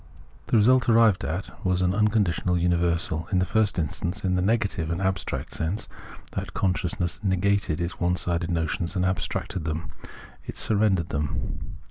The result arrived at was an unconditioned universal, in the first instance in the negative and abstract sense that consciousness negated its one sided notions and Understanding 127 abstracted them: it surrendered them.